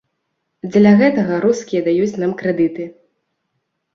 Дзеля гэтага рускія даюць нам крэдыты.